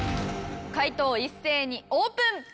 解答一斉にオープン！